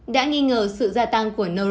đã nghi ngờ sự gia tăng của norovirus